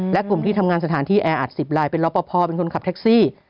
และกลุ่มที่ทำงานสถานที่แออัด๑๐ลายเป็นรอปภเป็นคนขับแท็กซี่